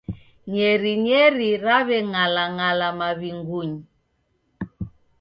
Nyerinyeri raweng'alang'ala maw'inguny